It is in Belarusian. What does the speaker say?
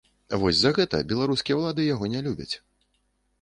Вось за гэта беларускія ўлады яго не любяць.